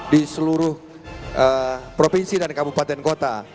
di seluruh provinsi dan kabupaten kota